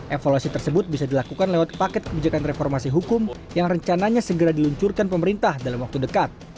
evaluasi tersebut bisa dilakukan lewat paket kebijakan reformasi hukum yang rencananya segera diluncurkan pemerintah dalam waktu dekat